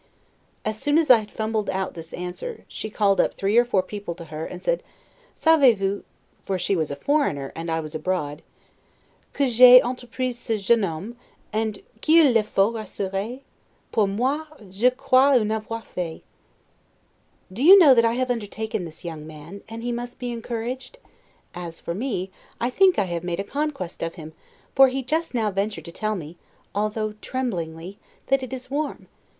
As soon as I had fumbled out this answer, she called up three or four people to her, and said: Savez vous (for she was a foreigner, and I was abroad) que j'ai entrepris ce jeune homme, et qu'il le faut rassurer? Pour moi, je crois en avoir fait [Do you know that I have undertaken this young man, and he must be encouraged? As for me, I think I have made a conquest of him; for he just now ventured to tell me, although tremblingly, that it is warm.